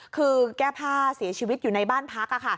คือแก้ผ้าเสียชีวิตอยู่ในบ้านพัก